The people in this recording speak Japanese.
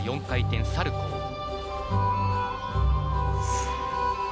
４回転サルコー。